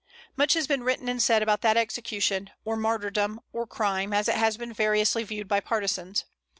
Much has been written and said about that execution, or martyrdom, or crime, as it has been variously viewed by partisans.